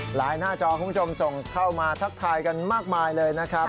หลายหน้าจอของชมส่งเข้ามาทักทายกันมากมายเลยนะครับ